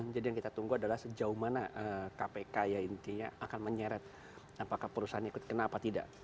jadi yang kita tunggu adalah sejauh mana kpk ya intinya akan menyeret apakah perusahaan ikut kena apa tidak